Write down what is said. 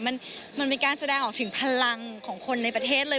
มันเป็นการแสดงออกถึงพลังของคนในประเทศเลย